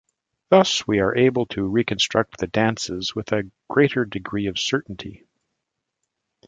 Thus we are able to reconstruct the dances with a greater degree of certainty.